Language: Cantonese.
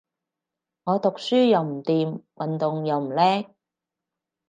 我讀書又唔掂，運動又唔叻